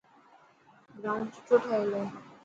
گرائونڊ سٺو ٺهيل هي.